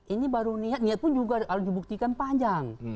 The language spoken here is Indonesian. ini baru niat niat pun juga harus dibuktikan panjang